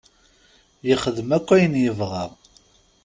Yexdem akk ayen yebɣa.